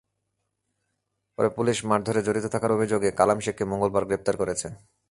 পরে পুলিশ মারধরে জড়িত থাকার অভিযোগে কালাম শেখকে মঙ্গলবার গ্রেপ্তার করেছে।